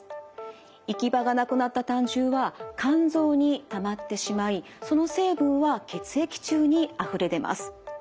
行き場がなくなった胆汁は肝臓にたまってしまいその成分は血液中にあふれ出ます。